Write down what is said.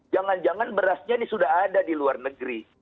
jangan jangan berasnya ini sudah ada di luar negeri